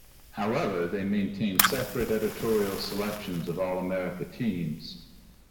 However, they maintain separate editorial selections of All-America teams.